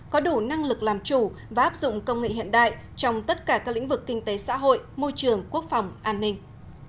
có đủ năng lực làm chủ và áp dụng công nghệ hiện đại trong tất cả các lĩnh vực kinh tế xã hội môi trường quốc phòng an ninh